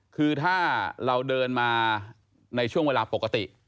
คือถ้าเราเดินมาในช่วงเวลาปกติ